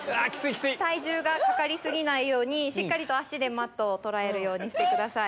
体重がかかり過ぎないように足でマットを捉えるようにしてください。